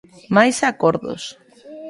Máis acordos.